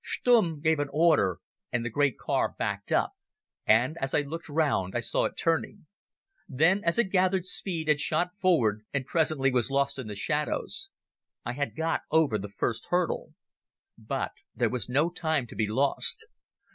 Stumm gave an order and the great car backed, and, as I looked round, I saw it turning. Then as it gathered speed it shot forward, and presently was lost in the shadows. I had got over the first hurdle. But there was no time to be lost.